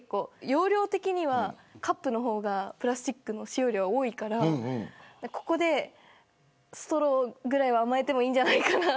容量的にはカップの方がプラスチックの使用量は多いからここでストローぐらいは甘えてもいいんじゃないかなと。